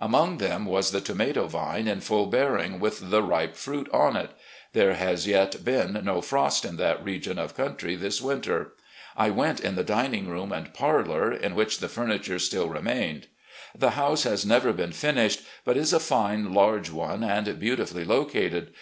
Among them was the tomato vine in full bearing, with the ripe fruit on it. There has yet been no frost in that region of cotmtry this winter. I went in the dining room and parlour, in which the ftimiture still remained. ... The house has never been finished, but is a fine, large one and beautifully located.